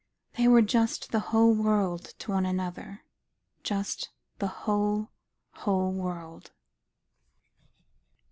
"They were just the whole world to one another, just the whole whole world."